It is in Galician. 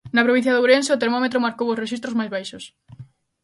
Na provincia de Ourense o termómetro marcou os rexistros máis baixos.